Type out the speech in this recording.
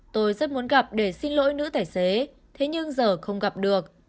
tôi rất muốn gặp để xin lỗi nữ tài xế thế nhưng giờ không gặp được